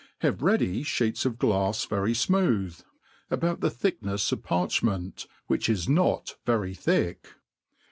Have ready (heets of glafs very fmooth, about the thicknefs Cff parchment, which is not very thick.